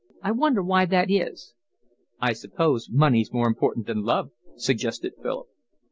I wonder why that is." "I suppose money's more important than love," suggested Philip.